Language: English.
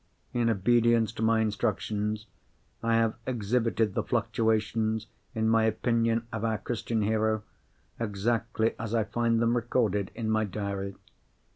In obedience to my instructions, I have exhibited the fluctuations in my opinion of our Christian Hero, exactly as I find them recorded in my diary.